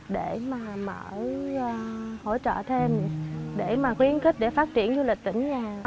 để mở hỗ trợ thêm khuyến khích để phát triển du lịch tỉnh nhà